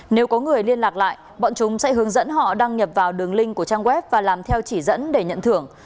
nếu có người liên lạc lại bọn chúng sẽ hướng dẫn họ đăng nhập vào đường link của trang web và làm theo chỉ dẫn để nhận thưởng